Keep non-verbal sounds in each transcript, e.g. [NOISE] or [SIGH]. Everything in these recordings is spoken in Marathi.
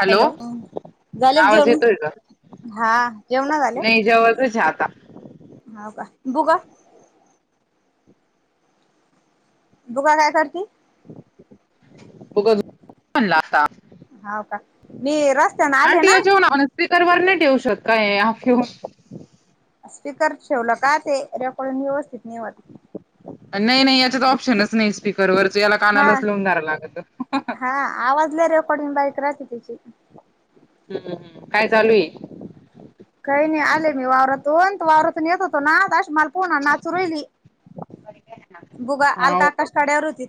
हॅलो झाले आवाज जेवण येतो का. हा जेवण नाही जेवायच आता. ह का बघू. दुकानात काय करते. [UNINTELLIGIBLE] हो का मी रस्त्याने आले अंटी ना या जेवणा. स्पीकर वर नाही ठेवू शकत काय? स्पीकर ठेवलं का ते रेकॉर्ड व्यवस्थित नही होत. नाही नाही याच्याच ऑप्शनच नाही स्पीकरवरच याला हा कानालाच लावून कराय लागतं. हा आवाज रेकॉर्ड बाईक रात [UNINTELLIGIBLE] हम्म हम्म काय चालूय. काही नाही आले मी वावरातून वावरातून येत होतो ना अशी मला पुन्हा नाचू रहिली. बुग अल का हाव आकाश कडे्यावर होती.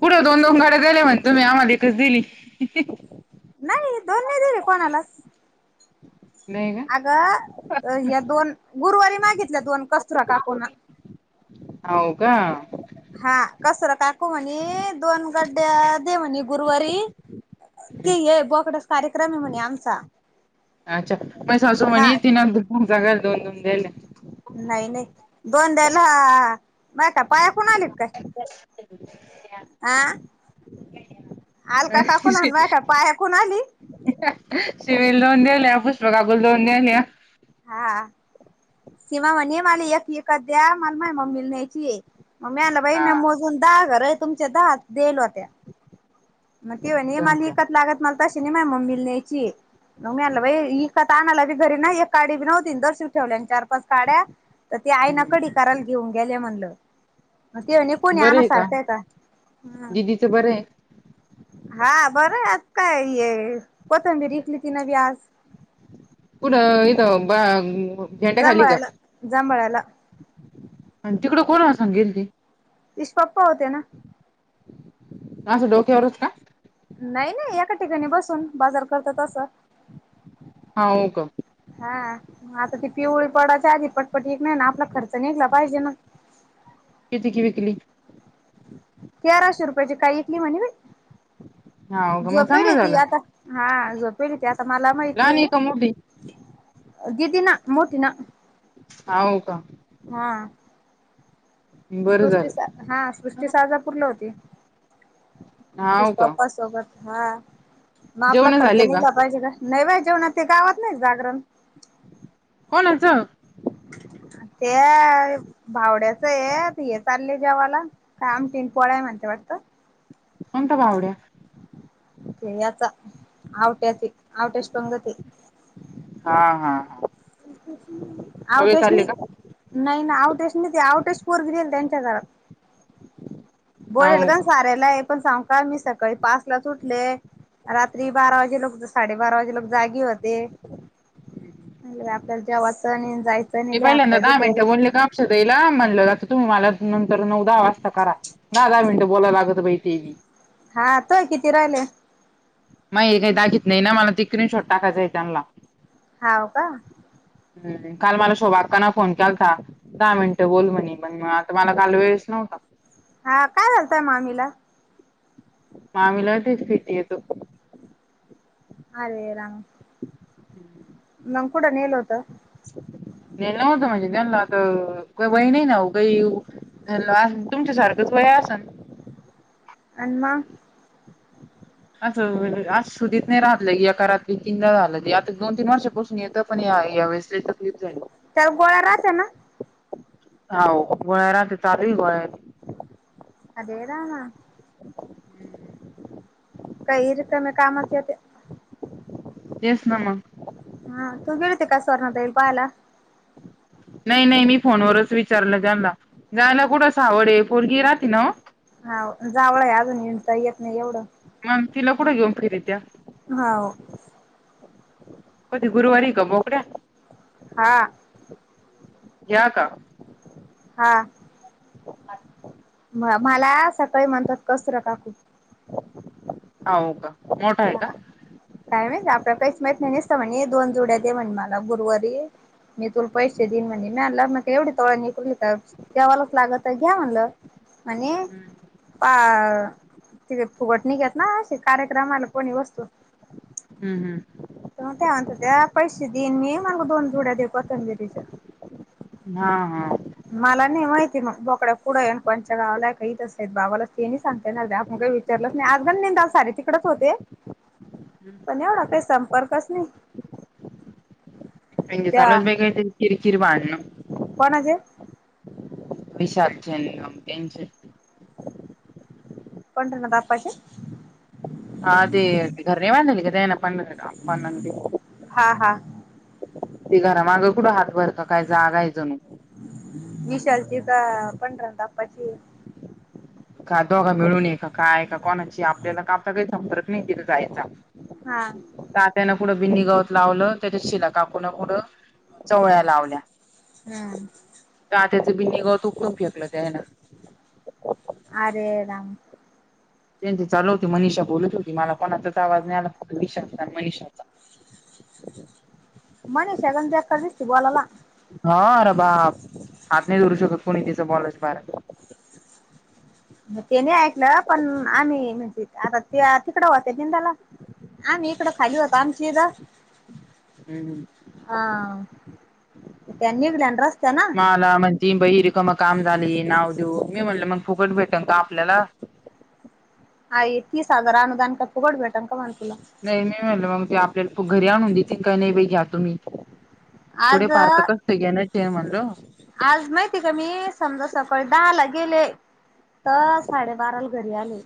पुढे दोन दोन गाड्या झाले म्हण तुम्ही आम्हाला एकच दिली. नाही दोन् नाही दिर कोणाला. नाही का. अगं या दोन गुरुवारी मागितल्या दोन कस्तुरा काकोना. हो का. हा कसरा काकू म्हणे दोन गड्डया दे म्हणे गुरुवारी. ते ये बोकडच कार्यक्रम आहे म्हणे आमचा. अच्छा पै स असो म्हण हा ति ना घर दोन दोन दिले. नाही नाही दोन द्याला मा का पाया कोून आलीत काय. [UNINTELLIGIBLE] आल का काकण आणवाय का पाया कोण आली. सिवल लोवन दिल्या पुष्पकागूल लोवन द्याल्या. हा सीमा म्हणे मला एक विकत द्या मल मम्मीला न्यायच. मग मीला भाई मी हा मोजून दहा घर तुमच्या दहा देलो होत्या. मग तेवणे जाऊन मला द्या एकत लागत मला तशी नाही माझ मम्मी यायची. नग मीळालं बाई इका तर आणायला बी घरी नाही एककााडी बी नव्हती दर्शक ठेवल्या आणि चार पाच काढ्या तर ते आई ना कडी हम्म करायला घेऊन गेल्या म्हणलं. तेणे कोणी आण सारखाय का हम. ते बर आहे. हा बरं आहे आज काय ये कोथंबी रिविकली ती न बी आज. पण इथं झेंड्या खाली का. जांभळाला जांभळाला आणि तिकड कोण सग गेलती. इश पप्पा होते ना. ह असं डोक्यावरच का. नाही नाही एका ठिकाणी बसून बाजार करत तसं. हा हो का. हा आता ती पिवळी पडाच्या आधी पटपट एक नाही ना आपला खर्च निघला पाहिजे ना. कती क विकली.. तेराशे रुपयाची काय इ कली म्हणे बाई. हाव का मग झोपेल चांगलं झालं ना होतीआता हा झोपेल होतीआता मला माहित लहान नाही. आहे का मोठी ददी ना मोठी ना. ह का. हा. बरं सृष्टी झालं हा सृष्टी साजापूरला होती ती हाव का स्टॉपोबत. हा मग आपला जेवण खर्च झाले निघला पाहिजे का नाही बा जेवणा ते गावात नाही जागरण. कोणाच. ते भावड्याच आहे हे चालले जेवा्हाला. काय आमटीन पोळाय म्हणते वाटत. कोणता पावड्या क याचा आवट्याची आवट्याची पंगती हा हा हा सगळे आउटस चालले का नाही ना आउट एस आउट फोर घल त्यांच्या घरात बोरल का साार्याला आहे पण सांग का मी सकाळी पाच ला त उठले. रात्री बारा वाजे लोक साडेबारा वाजे लोक जागी होते. आपल्याला जेवायचं नाही जायचं नाही. मी हात पहिल्यांदा पाय दहा मिनिटे दुखवले बोलले कापक्षदईला म्हणलं तुम्ही मला नंतर नऊदा वाजता करा. द दहा मिनटं बोलायला लागत बाई ते हा तोय किती राहिले. मग हे काही दाखितत नाही ना मला ते स्क्रीनशॉट टाकायचं आहे त्यांला हाव का? काल मला शोभातकांना फोन केलाता. दहा मिनटं बोल म्हणे मण आता मला काल वेळच नव्हता. हा काय झालतय मामीला मामीला ठीक ठीक येतो. अरवे रा ग कुठं नेल होतं. नलावत म्हणजे जञला आता का सवय नाही ना काही हॅलो तुमसारखंच वय असे ना अन्मा असं आज सुधत नाही राहलं की एकाात रात्रीतीनदा झालं की आता दोन तीन वर्षापासून येतं. पण यावेळेस तकलीफ नाही. त्यावर गोळा्या रात ना हो गोळरा ते चालली गोळरी अेदा ना काही रिकम कामात येत. येस नामा हा तू गेळतीे कासवर्न बई बायला. नाही नाही मी फोनवरच विचारलं जला जायला कुठं सावडे आहे पोरगी राहते ना. हा जावं आहे अजून येडता येत नाही एवढं मग तिला कुठं घेऊन फे त्या होा को गुरुवारी ग मोकड्या हा या का हा अ म मला सकाळी म्हणतात कसर का खूप हो का मोठा आहे हा का? काय मा आपला काहीच माहीत नाही नसत म्हणे दोन जुड्या दे म्हण मला गुरुवारी मी तुला पैसे दिईन म्हणजे मलं मग एवढी तोळ निघूनली तर तेवा्हालाच लागत घ्या म्हणलं. म्हजे हम्म त फुगटणी घेत ना कार्यक्रम आला. कोणी वस्तू हम्म हम् त त्या म्हणत त्या पैसे देईन मी मग दोन जुड्या दे प तंजरीच्या हा हा मला नाही माहिती मग बोकड्या पुढं आणि कोणच्या गावाला काहीेत असत बाबाला ते नाही सांगते ना मु नाही आजगण नेंदा सार तिकडच होते. म्हणजे पण एवढा काही संपर्कच नाही म्हणजे त्या चालूच काही किर खिर बांधण कोणज हिशाबचे आणि आम टन पण ना द अपाजी हा तेे घर नाही वान क ना पण पण हा हा त घरा मागं कुठं हात भर काय जागाय जणू विशालचीी का पणरा द अपचीी का दोघा मिळून ये का काय का कोणाची आपल्याला का आपता काहीचा फरक नाही त जायचा हा तात्यानं पुढं बिंडी गावत लावलं त्याच्यात शिला काकूनं पुढं चवळ्या लावल्या हम्म तात्याचं बी निघा तूपकम फेकलं त्या ना अरे राम त्यां चालव होते मनीषा बोलत होती मला कोणाचाच आवाज नाही आला फक् विश मनीषाचा मणे शगन तेकर दिसते बोलायला हा र बा हात नाही दरू शकत कुणी तिचं बॉलच बार ते नाही ऐकलं पण आम्ही म्हणजे आता ते तिकड होत निंदला आम्ी इकडं खाली होत आमची इथ हम् ह हा तेनिलाड्र मला मनती बहि रिकम काम झाली नाव देऊ मी म्हटलं मग फुकट भेटेल का आपल्याला अ य तस हजार अनु दान काय फुकट भेटेल अन तुला नाही नाही म्हटलं मग ते आपल्याला घरी आणून दे त काही नाही घ्या तुम्ही पुढे पारत आज कसत घेना चेन म्हणलं आज माहिती आहे का मी समजा सकाळी दहाला गेले तर साडेबाराला घरी आले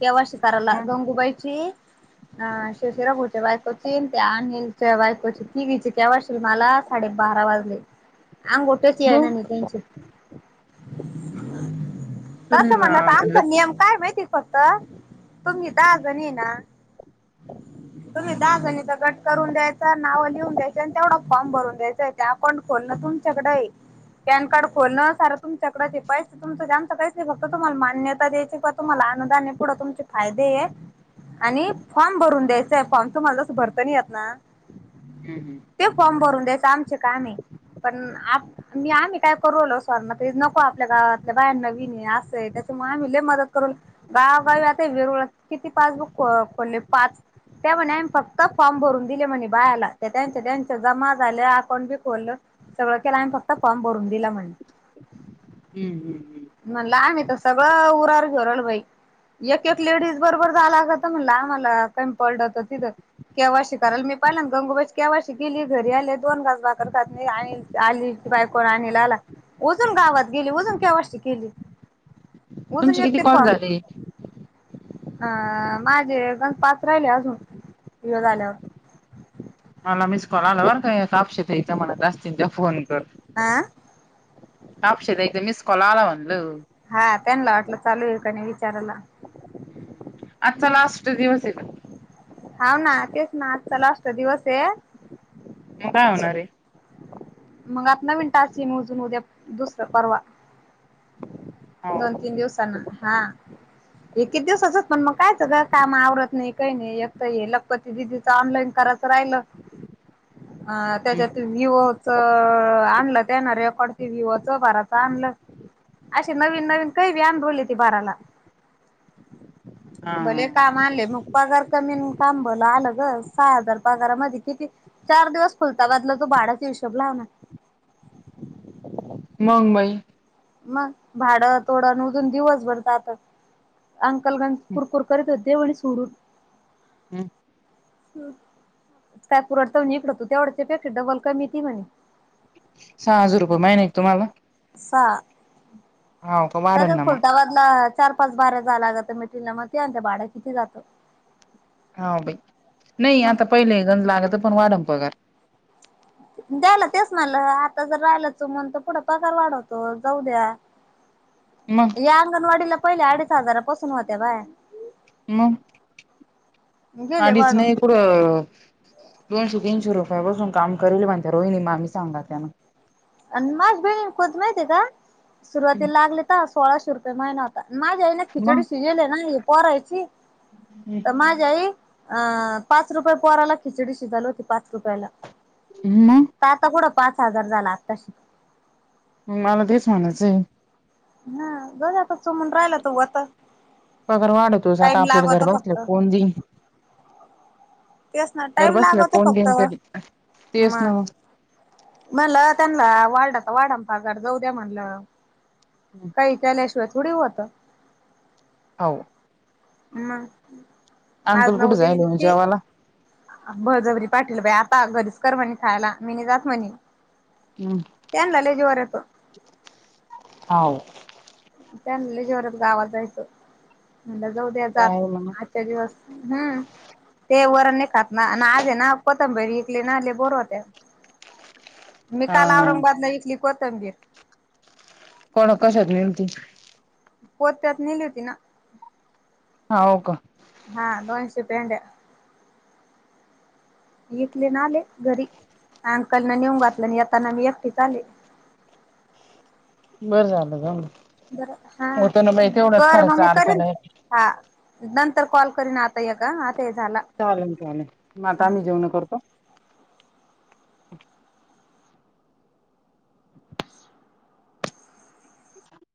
केव्हा शिकाराला मग गंगूबाईची अ शिवसेरागोच्या बायकची त्या अनिलच्या बायकची कि विचे क वाशील मला साडेबारा वाजले अंगोठेच या ना मग न त्यांची तुम्ही तसं म्हणण म्हणलं आमचा नियम काय माहिती फक्त तुमहीी तर अजण ये ना तुम्ही दहा जणीचा कट करून द्यायचा नावं लिहून द्यायच आणि तेवढा फॉर्म भरून द्यायचय त्या आपण कोना तूमच्याकड आहे पॅन कार्ड खोलणं सारा तुमच्याकडचे पैसे तुमचं जाणतं काहीच नाही फक्त तुमला मान्यता द्यायायची तुम्हाला अनुदान आहे पुढं तुमचे फायदे आहे आणि फॉर्म भरून द्यायचंय फॉर्म तुम्हाला भरत नाही येत ना हं हं ते फॉर्म भरून द्यायच आमचे काम आहे पण मी आम्ही काय करवलो सवारना ते नको आपल्या गावातल्या बायांना विने असंय त्याच्यामुळे आम्ही ल मदत करव गावगावी आता वेरुळ किती पाच बुक खोलले पाच त्या म्हणे आम्ही फक्त फॉर्म भरून दिले म्हणे बायाला त्यांच्या त्यांच जमा झाले अकाउंट बी खलं सगळं केलं आम्ही फक्त फॉर्म भरून दिला म्हण ह् ह् ह् आम्ही तर सगळं उरार घेऊ राहिलो बाई एक एक लेडीज बरोबर जा लागत म्हणला आम्हाला काही पड तर तिथं केवायसी श कायला मी पाहिला ना गंगोबाज केवायसी गेली घरी आले दोन घास बाकरर खात नाही आणि आली बायकोला आणला आला अजून गावात गेली अजून केवायसी केली अजून तुमचे किती येतते कॉल फण झाले? अ माझे गण पाच राहिले अजून हे झाल्यावर मला मिस कॉल आला बर का कापशेत इथं मला जास्त तच्या फोन कर. आं. टापश एकद मीस कॉल आला म्हटल. हा त्यांनी वाटलं चालू आहे का नाही विचारायला आजचा लास्ट दिवस येत. हव ना तेच ना आज चा लास्ट चा दिवस आहे. म काय होणार आहे. मग आता नवीन टास ये म अजून उद्या दुसरं परवा. दोन तीन हो दिवसांना हा. एकती दिवस असच पण मग कायच काम आवरडत नाही काही नाही एकत हे लगपत. दिदीच ऑनलाईन करायच राहिलं अ त्याच्यात विव त आणलं त्या ना रेकॉर्डती विवो चं भाराच आणलं. अशी नवीन नवीन काही व्यान बोलली ती बाराला. हा भले काम आले मग. पगार कमीन काबला आलं ग सहा हजार पगारामध्ये किती. चार दिवस फुलता गदला तो बाड्याचा हिशोब लाव ना. मग बाई. मग भाडं तोडं न उधून दिवसभर त्यात. अंकलगण कुरकुर करीत हो दे वळी सोडून. हम्. हम्. कायपुरडचा निकडतो तेवढ्याच्या पेक्षा डबल का मती म्हणे. सहा हजार रुपये महिना आहे का तुम्हाला हा हाव का वाढल तर ना मग खुलताबाद. चार पाच बार्या जालाग तर मेटरिला म ते भाडं किती जातं. हा बाई नाही मग आता पहिले गंध लाग तर पण वाढम पगार. द्यायला तेच मला आता जर राहिलाच म्हण तर पुढं पगार वाढवतो जाऊ द्या. मग या अंगणवाडीला पहिले अडीच हजारापासून होत्या बाया. मग गेले आधीच वाढून नाही. पुढं दोनश तीनशे रुपयांपासून काम करेल म्हणते रोहिणी मामी सांगा त्याना. आणि माझ्या बहिणी कोत माहती आहे का सुरुवातीला लागले. ता सोळाशे रुपये महिना आता माझ्याई ना खिचडी शिजेले ना हे परायची. हम्. तर माझ्या अ पाच रुपये पोहराला खिचडी शिजायला होती पाच रुपयाला. ह. आताथडं पाच हजार झाला आताशी. मला तेच म्हणायचे. ह गजातच सो म्हून राहिला तता. पगर वाढवतोस आता आपल्याला घर बसले फक्त. कोण दिन. तेस ना घर टाइम बसल्या लागवत कोण देईन फक्त तरी तेच म. ना म्हलं त्यांना वाडचा वाडमपा घर जाऊ द्या म्हणलं. हम् त्याल्याशिवायथोडी होतं. हो. हम आज अंकल कुठे नऊद जायले मग ते. जेवाला? भजबरी पाठील बा आता घरीच कर म्हणे खायला मी नाही जात म्हणे. त्यांन लाले जवर य तो ह. त्यां शात गावात जायचं म्हणज जाऊ द्या ते जात. आहे म्हणा दिवस ह ते वर नाही खात ना आज आहे ना. कोथंबीर इकली ना लाय बोर होत्या मी काल हा औरंगाबादला इकली कोथंबीर. कोण कशात न्हेलती. पोत्यात न्हेली होती ना. हा ओ का. हा दोनशे पेंड्या. विकली न आले घरी अंकलन नेऊन घातलं आणि येताना मी एकटीच आले. बरं झालं जाऊन दे. बर हा बर म मी करीन अडथळा आहे. तू हा नंतर कॉल करीन आता यक आता हे झाला. चालण चालण मग आता हा आम्ही जेवण करतो ह [UNINTELLIGIBLE]